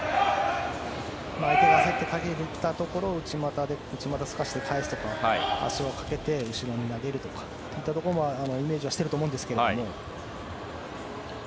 相手が焦ってかけにきたところを内またですかして、かえすとか足をかけて後ろに投げるとかそういったことをイメージしていると思うんですけど。